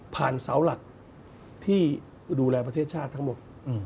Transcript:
เสาหลักที่ดูแลประเทศชาติทั้งหมด